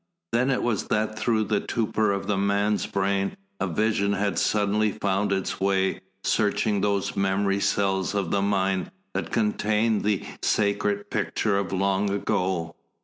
Then it was that through the torpor of the man's brain a vision had suddenly found its way, searching those memory cells of the mind that contained the sacred picture of long ago.